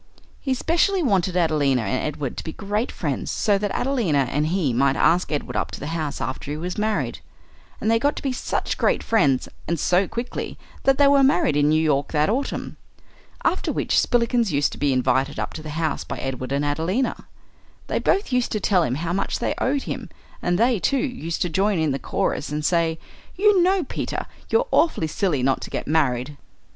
He specially wanted Adelina and Edward to be great friends, so that Adelina and he might ask Edward up to the house after he was married. And they got to be such great friends, and so quickly, that they were married in New York that autumn. After which Spillikins used to be invited up to the house by Edward and Adelina. They both used to tell him how much they owed him; and they, too, used to join in the chorus and say, "You know, Peter, you're awfully silly not to get married."